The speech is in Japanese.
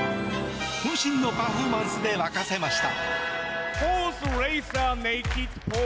こん身のパフォーマンスで沸かせました。